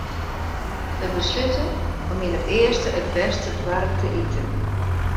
Wy beslute om yn it earste it bêste doarp te iten.